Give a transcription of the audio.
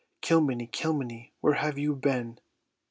Kilmeny, Kilmeny, where have you been?"